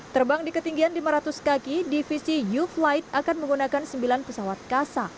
terbang di ketinggian lima ratus kaki divisi u flight akan menggunakan sembilan pesawat kasa